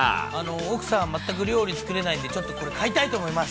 奥さん、全く料理作れないんで、ちょっとこれ、買いたいと思います。